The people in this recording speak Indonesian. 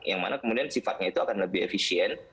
yang mana kemudian sifatnya itu akan lebih efisien